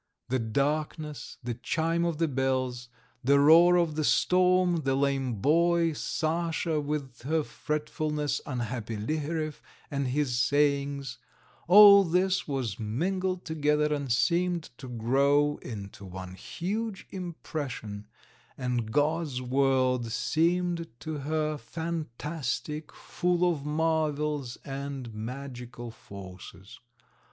The darkness, the chime of the bells, the roar of the storm, the lame boy, Sasha with her fretfulness, unhappy Liharev and his sayings all this was mingled together, and seemed to grow into one huge impression, and God's world seemed to her fantastic, full of marvels and magical forces.